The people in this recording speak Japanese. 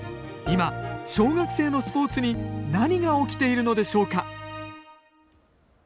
今、小学生のスポーツに何が起きているのでしょうか。